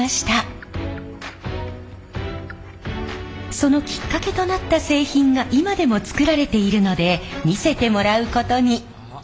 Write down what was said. そのきっかけとなった製品が今でも作られているので見せてもらうことに。